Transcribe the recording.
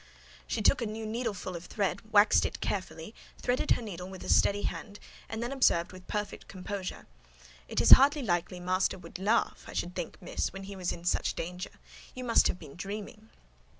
She took a new needleful of thread, waxed it carefully, threaded her needle with a steady hand, and then observed, with perfect composure— "It is hardly likely master would laugh, I should think, Miss, when he was in such danger: You must have been dreaming."